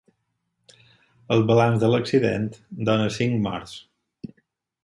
El balanç de l'accident dona cinc morts.